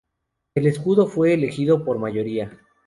El escudo fue elegido por mayoría.